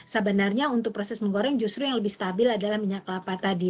sebenarnya untuk proses menggoreng justru yang lebih stabil adalah minyak kelapa tadi